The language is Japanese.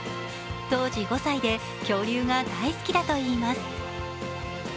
当時５歳で恐竜が大好きだといいます。